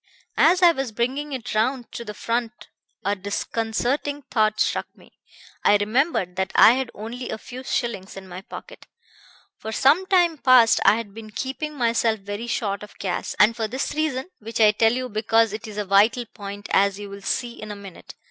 "As I was bringing it round to the front a disconcerting thought struck me. I remembered that I had only a few shillings in my pocket. "For some time past I had been keeping myself very short of cash, and for this reason which I tell you because it is a vital point, as you will see in a minute.